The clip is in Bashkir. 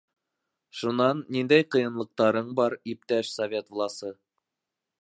- Шунан, ниндәй ҡыйынлыҡтарың бар, иптәш Совет власы?